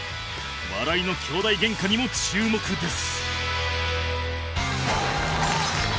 笑いの兄弟喧嘩にも注目です